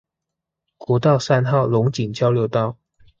國道三號龍井交流道